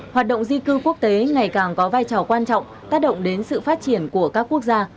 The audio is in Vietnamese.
hoạt động di cư quốc tế ngày càng có vai trò quan trọng tác động đến sự phát triển của các quốc gia